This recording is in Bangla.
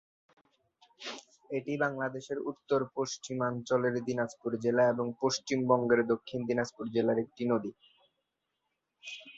এটি বাংলাদেশের উত্তর-পশ্চিমাঞ্চলের দিনাজপুর জেলা এবং পশ্চিমবঙ্গের দক্ষিণ দিনাজপুর জেলার একটি নদী।